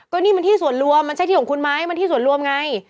ก็นี่มันที่ส่วนรวมมันใช่ที่ของคุณไหมมันที่ส่วนรวมไง